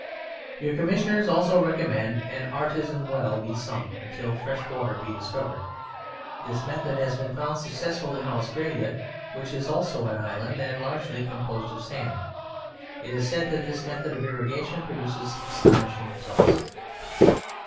Your Commissioners also recommend an artesian well to be sunk until fresh water be discovered. This method has been found successful in Australia, which is also an island and largely composed of sand. It is said that this method of irrigation produces astonishing results.